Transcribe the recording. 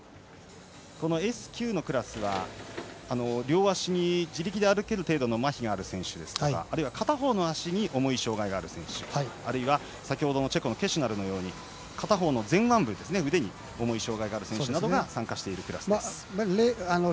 Ｓ９のクラスは両足に自力で歩ける程度のまひがある選手ですとかあるいは片方の足に重い障がいがある選手あるいは、先ほどのチェコのケシュナルのように片方の前腕部に重い障がいがある選手などが参加しているクラスです。